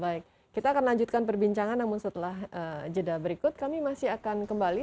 baik kita akan lanjutkan perbincangan namun setelah jeda berikut kami masih akan kembali